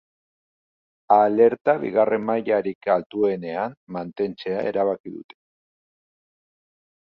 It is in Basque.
Alerta bigarren mailarik altuenean mantentzea erabaki dute.